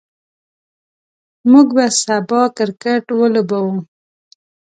موږ به سبا کرکټ ولوبو.